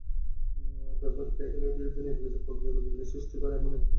পেপ্যালের বিরুদ্ধে নেতিবাচক প্রতিক্রিয়া সৃষ্টি, এমনকি বয়কট করার একাধিক আহ্বানও দেখা গেছে।